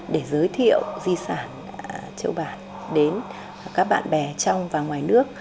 để giới thiệu di sản châu bản đến các bạn bè trong và ngoài nước